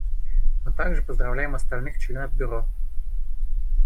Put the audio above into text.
Мы также поздравляем остальных членов Бюро.